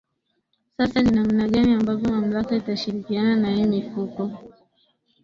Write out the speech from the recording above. sasa ni namna gani ambavyo mamlaka itashirikiana na hii mifuko